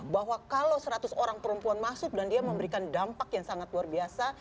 bahwa kalau seratus orang perempuan masuk dan dia memberikan dampak yang sangat luar biasa